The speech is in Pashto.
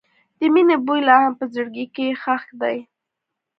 د مینې بوی لا هم په زړګي کې ښخ دی.